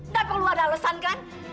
gak perlu ada alesan kan